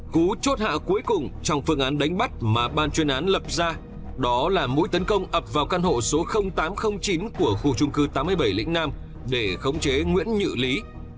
cứu chốt hạ cuối cùng trong phương án đánh bắt mà ban chuyên án lập ra đó là mũi tấn công ập vào căn hộ số tám trăm linh chín của khu trung cư tám mươi bảy lĩnh nam để khống chế nguyễn nhự lý